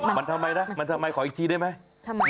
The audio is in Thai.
มันทำไมนะมันทำไมขออีกทีได้ไหม